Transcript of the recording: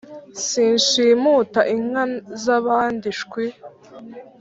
Sinshimuta inka zabandi shwi